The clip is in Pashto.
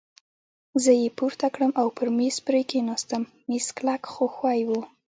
زه يې پورته کړم او پر مېز پرې ایستم، مېز کلک خو ښوی وو.